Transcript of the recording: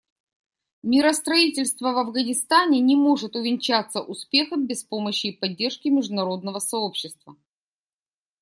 Миростроительство в Афганистане не может увенчаться успехом без помощи и поддержки международного сообщества.